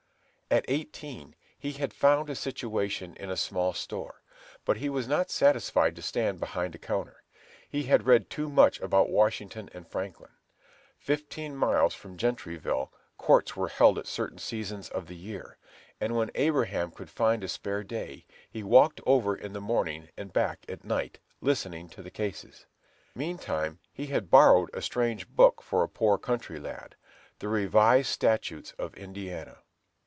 At eighteen he had found a situation in a small store, but he was not satisfied to stand behind a counter; he had read too much about Washington and Franklin. Fifteen miles from Gentryville, courts were held at certain seasons of the year; and when Abraham could find a spare day he walked over in the morning and back at night, listening to the cases. Meantime he had borrowed a strange book for a poor country lad, "The Revised Statutes of Indiana."